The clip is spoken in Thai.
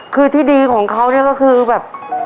คือที่ดีของเขาเนี่ยก็คือแบบ